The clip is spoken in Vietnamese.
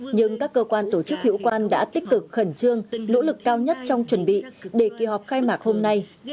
nhưng các cơ quan tổ chức hiệu quan đã tích cực khẩn trương nỗ lực cao nhất trong chuẩn bị để kỳ họp khai mạc hôm nay